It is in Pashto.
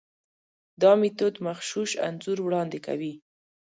دا میتود مغشوش انځور وړاندې کوي.